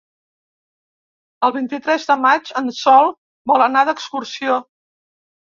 El vint-i-tres de maig en Sol vol anar d'excursió.